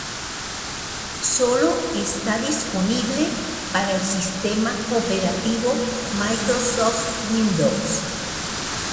Solo está disponible para el sistema operativo Microsoft Windows.